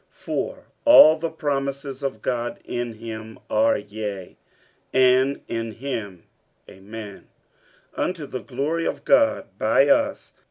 47:001:020 For all the promises of God in him are yea, and in him Amen, unto the glory of God by us.